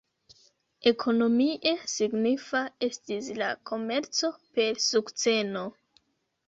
Ekonomie signifa estis la komerco per sukceno.